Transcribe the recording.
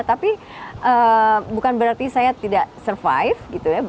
tapi bukan berarti saya tidak survive gitu ya